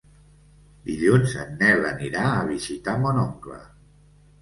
Dilluns en Nel anirà a visitar mon oncle.